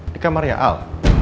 di kamarnya al